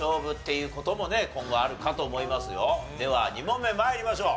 でもでは２問目参りましょう。